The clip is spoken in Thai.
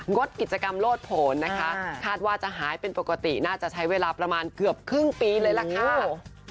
ดกิจกรรมโลดผลนะคะคาดว่าจะหายเป็นปกติน่าจะใช้เวลาประมาณเกือบครึ่งปีเลยล่ะค่ะ